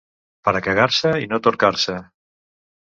Per a cagar-se i no torcar-se.